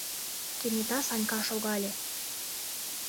Кенета Санька шогале: